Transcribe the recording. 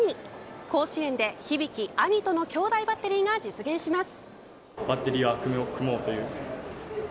甲子園でヒビキ、アギトの兄弟バッテリーが実現します。